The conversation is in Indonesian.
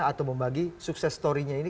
atau membagi sukses story nya ini